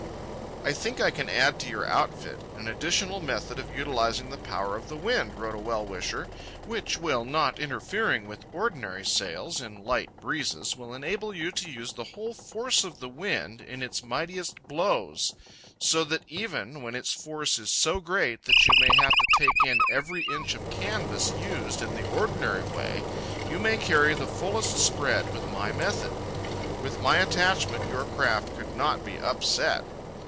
"I think I can add to your outfit an additional method of utilizing the power of the wind," wrote a well wisher, "which, while not interfering with ordinary sails in light breezes, will enable you to use the whole force of the wind in its mightiest blows, so that even when its force is so great that you may have to take in every inch of canvas used in the ordinary way, you may carry the fullest spread with my method. With my attachment your craft could not be UPSET."